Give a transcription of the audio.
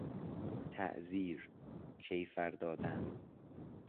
تعزیر، کیفر دادن